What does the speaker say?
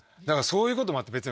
だからそういうこともあって。